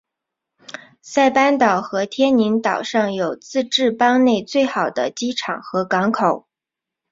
塞班岛和天宁岛上有自治邦内最好的机场和港口。